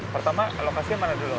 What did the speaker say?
pertama lokasi mana dulu